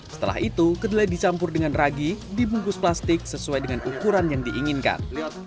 setelah itu kedelai dicampur dengan ragi dibungkus plastik sesuai dengan ukuran yang diinginkan